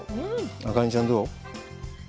あかねちゃん、どう？